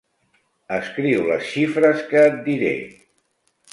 Escriu les xifres que et diré.